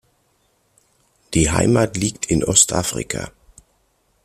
Die Heimat liegt in Ostafrika.